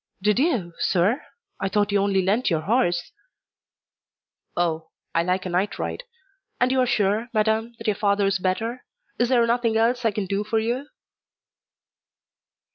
"Did you, sir? I thought you only lent your horse." "Oh! I like a night ride. And you are sure, madam, that your father is better? Is there nothing else I can do for you?"